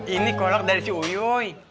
ini kolek dari si uyuy